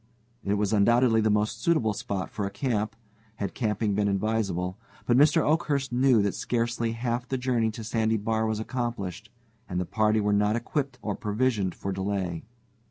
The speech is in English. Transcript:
It was, undoubtedly, the most suitable spot for a camp, had camping been advisable. But Mr. Oakhurst knew that scarcely half the journey to Sandy Bar was accomplished, and the party were not equipped or provisioned for delay.